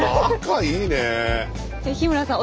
日村さん